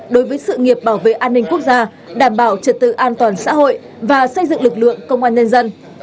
đối với sự nghiệp bảo vệ an ninh quốc gia đảm bảo trật tự an toàn xã hội và xây dựng lực lượng công an nhân dân